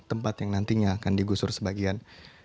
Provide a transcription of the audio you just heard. tempat yang nantinya akan digusur sebagian